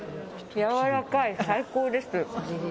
柔らかい、最高です。